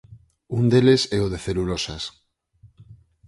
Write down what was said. Un deles é o de Celulosas.